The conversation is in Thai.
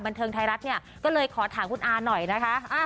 บันเทิงไทยรัฐเนี่ยก็เลยขอถามคุณอาหน่อยนะคะ